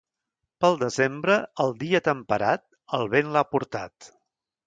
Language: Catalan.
Pel desembre, el dia temperat, el vent l'ha portat.